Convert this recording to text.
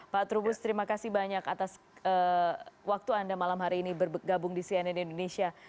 pak trubus terima kasih banyak atas waktu anda malam hari ini bergabung di cnn indonesia